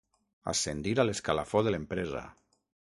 Ascendir a l'escalafó de l'empresa.